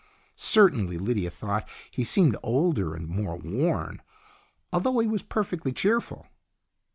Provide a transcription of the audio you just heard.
Certainly, Lydia thought, he seemed older and more worn, although he was perfectly cheerful.